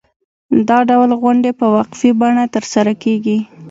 دا ډول غونډې په وقفې بڼه ترسره کېږي.